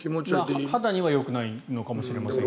肌にはよくないのかもしれませんが。